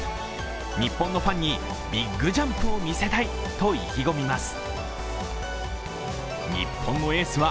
日本のファンにビッグジャンプを見せたいと意気込みます。